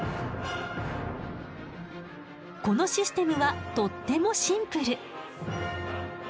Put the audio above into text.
このシステムはとってもシンプル。